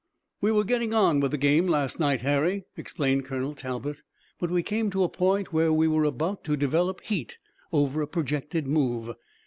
"We were getting on with the game last night, Harry," explained Colonel Talbot, "but we came to a point where we were about to develop heat over a projected move.